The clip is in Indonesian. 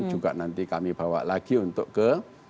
juga nanti kami bawa lagi untuk ke